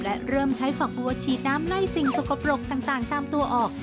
และเริ่มใช้ฝักบัวฉีดน้ำไล่สิ่งสกปรกต่างตามตัวออก